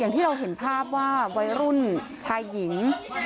ที่เราเห็นภาพว่าวัยรุ่นชายหญิง